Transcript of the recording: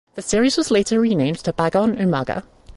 The series was later renamed to "Bagong Umaga".